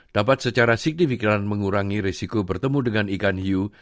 dapat secara signifikan mengurangi resiko bertemu dengan ikan hiu